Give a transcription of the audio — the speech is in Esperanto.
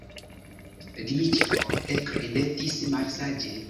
Dmiĉjo ekridetis malsaĝe.